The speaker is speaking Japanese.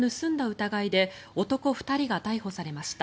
疑いで男２人が逮捕されました。